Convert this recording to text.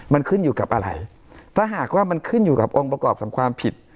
มันขึ้นอยู่กับอะไรถ้าหากว่ามันขึ้นอยู่กับองค์ประกอบของความผิด